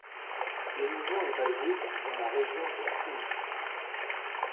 Le mouvement est basé dans la région du Sind.